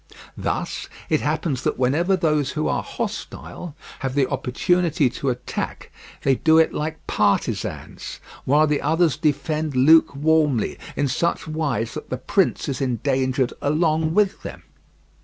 Thus it happens that whenever those who are hostile have the opportunity to attack they do it like partisans, whilst the others defend lukewarmly, in such wise that the prince is endangered along with them.